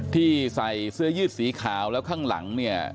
ที่ใส่เสื้อยืดสีขาวแล้วข้างหลังเนี่ย